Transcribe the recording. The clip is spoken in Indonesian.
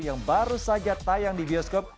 yang baru saja tayang di bioskop